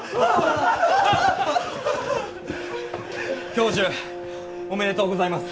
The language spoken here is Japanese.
教授おめでとうございます！